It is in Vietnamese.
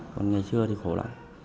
còn ngày xưa thì khổ lắm